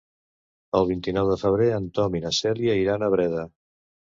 El vint-i-nou de febrer en Tom i na Cèlia iran a Breda.